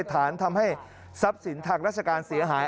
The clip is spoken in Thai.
ฐานทำให้ทรัพย์สินทางราชการเสียหาย